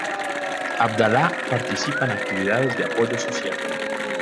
Abdala participa en actividades de apoyo social.